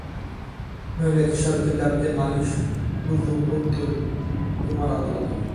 নইলে খেসারতের দাবিতে নালিশ রুজু করতুম তোমার আদালতে।